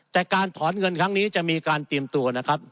แต่การถอนเงินครั้งนี้จะมีการเตรียมตัวนะครับ